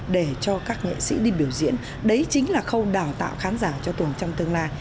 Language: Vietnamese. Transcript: để cho các nghệ sĩ đi biểu diễn đấy chính là khâu đào tạo khán giả cho tuồng trong tương lai